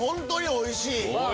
おいしい！